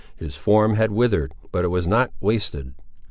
His form had withered, but it was not wasted.